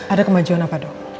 ada kemajuan apa dok